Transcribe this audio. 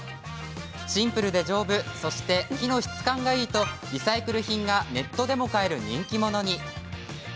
シンプルで丈夫、そして木の質感がいいとリサイクル品がネットでも買える人気者に。